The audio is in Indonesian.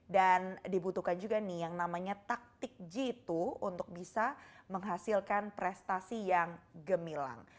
dan dibutuhkan juga yang namanya taktik g dua untuk bisa menghasilkan prestasi yang gemilang